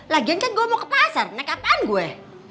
lagian kan gue mau ke pasar naik kapan gue